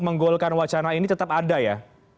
menggolkan wacana ini tetap ada ya